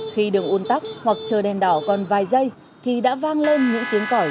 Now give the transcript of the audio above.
khi đường uôn tóc hoặc trời đèn đỏ còn vài giây thì đã vang lên những tiếng còi